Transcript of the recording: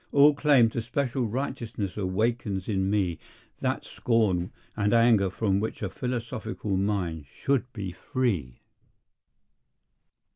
All claim to special righteousness awakens in me that scorn and anger from which a philosophical mind should be free.